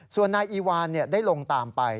ส่วนนายอีวานได้ลงตามไป